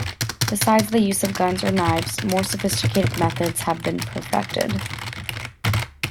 Besides the use of guns or knives, more sophisticated methods had been perfected.